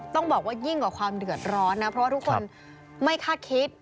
ต้องบอกว่ายิ่งกว่าความเดือดร้อนนะเพราะว่าทุกคนไม่คาดคิด